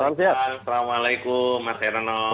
assalamualaikum mas herono